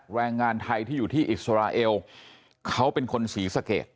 แรงงานไทยที่อยู่ที่อิสราเอลเขาเป็นคนศรีสะเกด